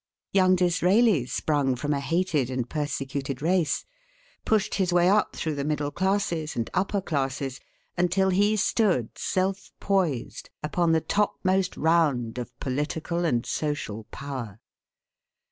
Young Disraeli sprung from a hated and persecuted race, pushed his way up through the middle classes and upper classes, until he stood self poised upon the topmost round of political and social power.